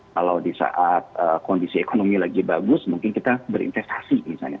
kalau di saat kondisi ekonomi lagi bagus mungkin kita berinvestasi misalnya